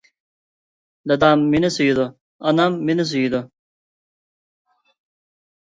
دادام مېنى سۆيىدۇ، ئانام مېنى سۆيىدۇ.